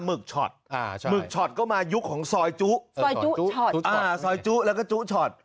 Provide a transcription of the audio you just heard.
หึกช็อตหมึกช็อตก็มายุคของซอยจุซอยจุชซอยจุแล้วก็จุช็อต